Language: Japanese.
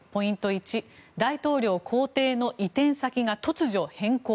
１大統領公邸の移転先が突如変更。